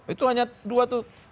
itu hanya dua tuh